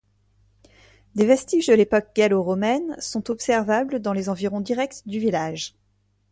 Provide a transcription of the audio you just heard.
Des vestiges de l'époque gallo-romaine sont observables dans les environs directs du village.